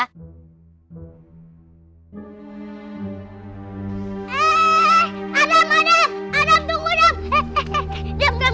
eh adam adam adam tunggu adam